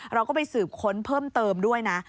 เราก็ไปสืบค้นเพิ่มเติมด้วยนะ